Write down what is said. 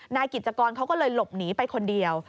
นายกิจกรเขาก็เลยหลบหนีไปคนเดียว